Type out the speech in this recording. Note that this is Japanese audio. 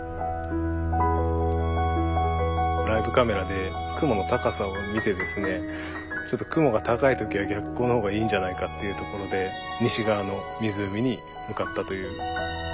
ライブカメラで雲の高さを見てですねちょっと雲が高い時は逆光のほうがいいんじゃないかっていうところで西側の湖に向かったという。